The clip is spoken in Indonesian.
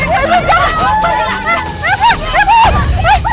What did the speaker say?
mereka udah hinnat kita buat hinnat ibu